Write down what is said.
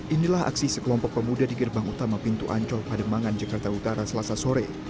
inilah aksi sekelompok pemuda di gerbang utama pintu ancol pademangan jakarta utara selasa sore